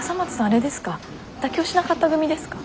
あれですか妥協しなかった組ですか？